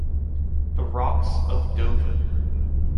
The rocks of Dover.